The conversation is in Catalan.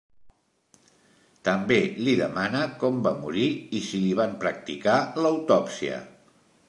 També li demana com va morir i si li van practicar l'autòpsia.